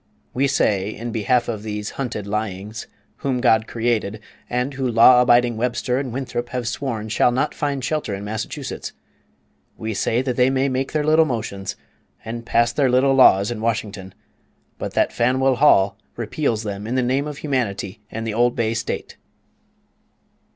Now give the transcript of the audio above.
We say in behalf of these hunted lyings, whom God created, and who law abiding Webster and Winthrop have sworn shall not find shelter in Massachusetts, we say that they may make their little motions, and pass their little laws in Washington, but that Faneuil Hall repeals them in the name of humanity and the old Bay State!